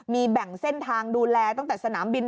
มีแบ่งเส้นทางดูแลตั้งแต่สนามบิน